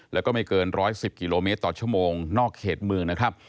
แล้วก็ไม่เกิน๑๑๐กิโลเมตรต่อชั่วโมงนอกเขตเมืองนะครับ